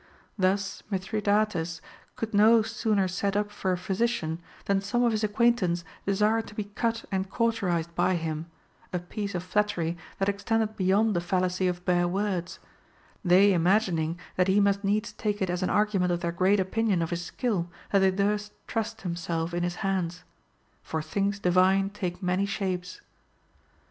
Thus Mithridates could no sooner set up for a physician, than some of his acquaintance desired to be cut and cauterized by him, — a piece of flattery that extended beyond the fallacy of bare words, — they imagining that he must needs take it as an argument of their great opinion of his skill, that they durst trust themselves in his hands. For things divine take many shapes.